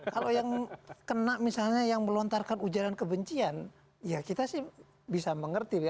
kalau yang kena misalnya yang melontarkan ujaran kebencian ya kita sih bisa mengerti